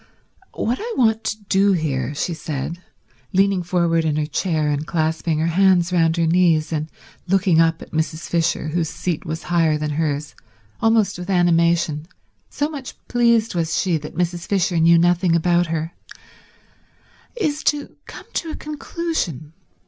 "What I want to do here," she said, leaning forward in her chair and clasping her hands round her knees and looking up at Mrs. Fisher, whose seat was higher than hers, almost with animation, so much pleased was she that Mrs. Fisher knew nothing about her, "is to come to a conclusion.